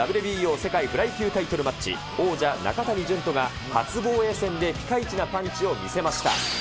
世界フライ級タイトルマッチ王者、中谷潤人が初防衛戦でピカイチなパンチを見せました。